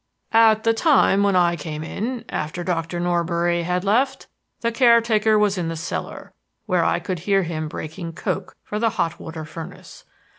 "At the time when I came in, after Doctor Norbury had left, the caretaker was in the cellar, where I could hear him breaking coke for the hot water furnace.